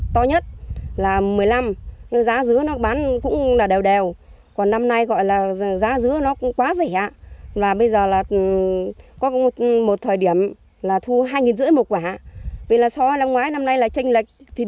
vì là so với năm ngoái năm nay là tranh lệch thì được năm nay với năm ngoái là bây giờ thì hiện hành thì thu được phần ba tiền thôi